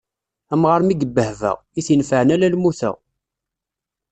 Amɣar mi ibbehba, i t-inefɛen ala lmuta.